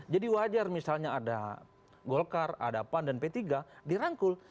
jadi wajar misalnya ada golkar ada pan dan p tiga dirangkul